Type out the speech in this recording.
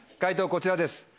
こちらです。